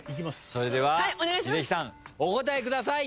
それでは英樹さんお答えください。